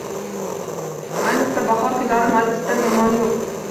Ayniqsa bahor kunlari majlisdan yomoni yo‘q!